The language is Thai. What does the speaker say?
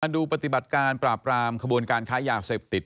ดูปฏิบัติการปราบรามขบวนการค้ายาเสพติด